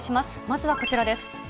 まずはこちらです。